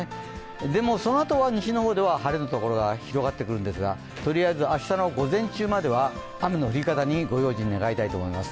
でも、そのあとは西の方では晴れのところが広がってくるんですが、とりあえず明日の午前中までは雨の降り方にご用心願いたいと思います。